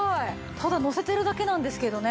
ただのせてるだけなんですけどね。